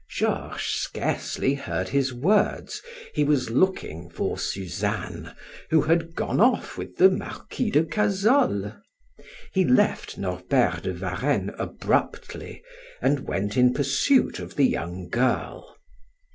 Georges scarcely heard his words. He was looking for Suzanne, who had gone off with the Marquis de Cazolles; he left Norbert de Varenne abruptly and went in pursuit of the young girl.